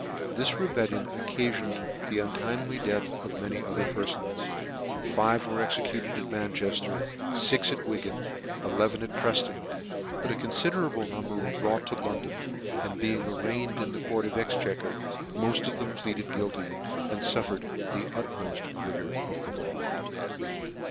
This rebellion occafioned the untimely th; th of many other perfons. Five were executed at Manchefter, fix at Wigan, and eleven at Prefton : but a confiderable number were brought to London, and being arraigned in the court of Exchequer, mod of them pleaded guilty, and fuffered the ut meft rigour of the law.